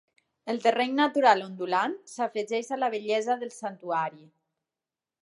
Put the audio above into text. El terreny natural ondulant s'afegeix a la bellesa del santuari.